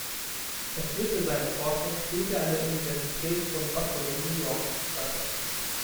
Er führte seine Forschungen später an der Universität von Buffalo, New York, weiter.